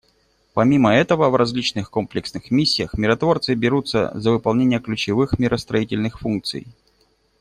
Помимо этого, в различных комплексных миссиях миротворцы берутся за выполнение ключевых миростроительных функций.